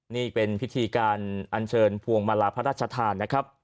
นี่เป็นพิธีการอันเชิญโพงบรรลาพระราชทาน